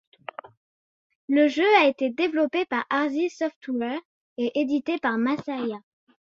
Le jeu a été développé par Arsys Software et édité par Masaya.